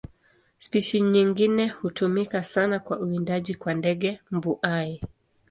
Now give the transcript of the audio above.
Spishi nyingine hutumika sana kwa uwindaji kwa ndege mbuai.